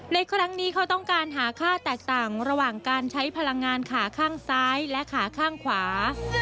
ในครั้งนี้เขาต้องการหาค่าแตกต่างระหว่างการใช้พลังงานขาข้างซ้ายและขาข้างขวา